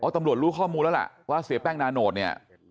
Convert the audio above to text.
ตำรวจรู้ข้อมูลแล้วล่ะว่าเสียแป้งนาโนตเนี่ย